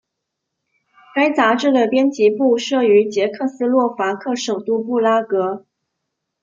该杂志的编辑部设于捷克斯洛伐克首都布拉格。